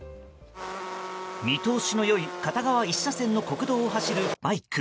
見通しの良い片側一車線の国道を走るバイク。